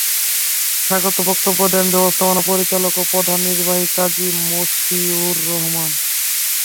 স্বাগত বক্তব্য দেন ব্যবস্থাপনা পরিচালক ও প্রধান নির্বাহী কাজী মসিহুর রহমান।